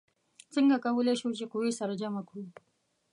څنګه کولی شو چې قوې سره جمع کړو؟